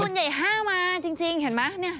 ส่วนใหญ่๕มาจริงเห็นมั้ยเนี่ย